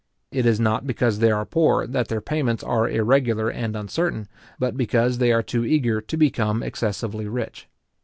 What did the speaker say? It is not because they are poor that their payments are irregular and uncertain, but because they are too eager to become excessively rich.